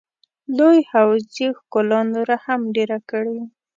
لوی حوض یې ښکلا نوره هم ډېره کړې.